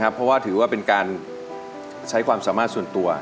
เพราะว่าถือว่าเป็นการใช้ความสามารถส่วนตัว